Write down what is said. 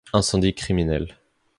Incendie criminel.